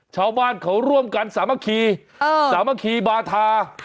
ชาวบ้านเขาร่วมกันสามัคคีสามัคคีบาธา